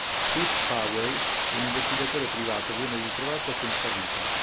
Keith Powell, un investigatore privato, viene ritrovato senza vita.